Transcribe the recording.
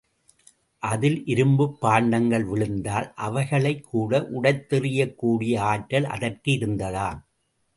அதில் இரும்புப் பாண்டங்கள் விழுந்தால் அவைகளைக்கூட உடைத்தெறியக் கூடிய ஆற்றல் அதற்கு இருந்ததாம்.